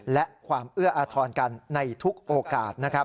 และความเอื้ออธรรณกันในทุกโอกาส